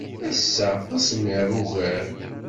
Ass-a, d asemmiḍ ugar.